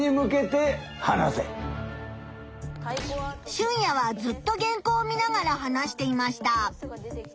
シュンヤはずっと原稿を見ながら話していました。